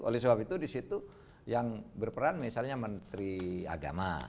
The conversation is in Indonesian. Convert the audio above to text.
oleh sebab itu disitu yang berperan misalnya menteri agama